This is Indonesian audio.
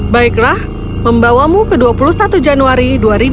baiklah membawamu ke dua puluh satu januari dua ribu dua puluh